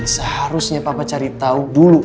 seharusnya papa cari tahu dulu